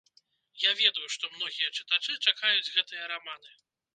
Я ведаю, што многія чытачы чакаюць гэтыя раманы.